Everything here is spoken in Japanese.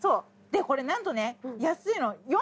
でこれ何とね安いの。